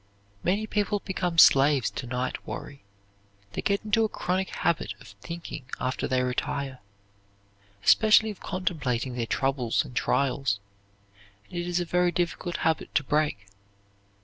Many people become slaves to night worry. They get into a chronic habit of thinking after they retire especially of contemplating their troubles and trials, and it is a very difficult habit to break.